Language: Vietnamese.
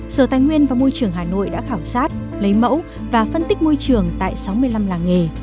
sở tài nguyên và môi trường hà nội đã khảo sát lấy mẫu và phân tích môi trường tại sáu mươi năm làng nghề